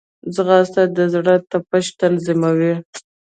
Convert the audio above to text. ځغاسته د زړه تپش تنظیموي